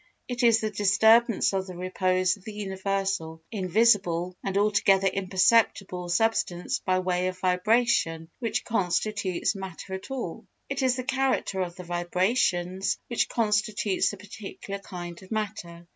It is the disturbance of the repose of the universal, invisible and altogether imperceptible substance by way of vibration which constitutes matter at all; it is the character of the vibrations which constitutes the particular kind of matter.